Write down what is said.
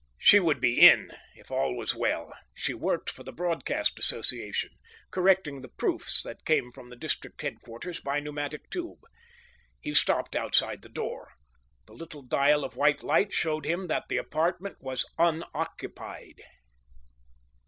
She would be in if all was well; she worked for the Broadcast Association, correcting the proofs that came from the district headquarters by pneumatic tube. He stopped outside the door. The little dial of white light showed him that the apartment was unoccupied.